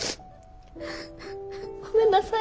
ごめんなさい。